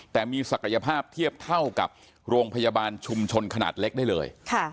แต่มีศักยภาพเทียบเท่ากับโรงพยาบาลชุมชนขนาดเล็กได้เลย